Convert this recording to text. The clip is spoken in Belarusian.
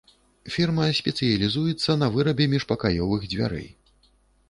Фірма спецыялізуецца на вырабе міжпакаёвых дзвярэй.